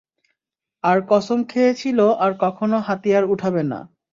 আর কসম খেয়েছিলো আর কখনো হাতিয়ার উঠাবে না।